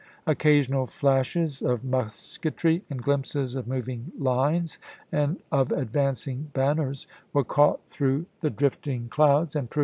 Occasional flashes of musketry and glimpses of moving lines and of ad vancing banners were caught through the drifting 1 Brig Gen. E.